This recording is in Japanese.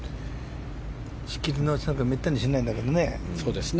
仕切り直しなんてめったにしないんだけどね。